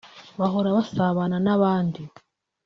bahora basabana n’abandi